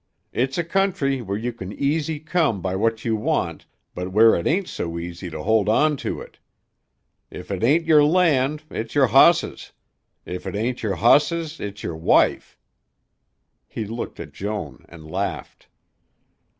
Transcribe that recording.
It's a country where you can easy come by what you want, but where it ain't so easy to hold on to it. If it ain't yer land, it's yer hosses; if it ain't yer hosses, it's yer wife." He looked at Joan and laughed.